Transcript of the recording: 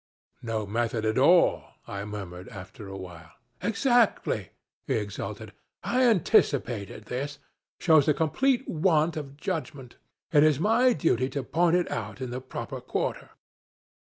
... 'No method at all,' I murmured after a while. 'Exactly,' he exulted. 'I anticipated this. Shows a complete want of judgment. It is my duty to point it out in the proper quarter.'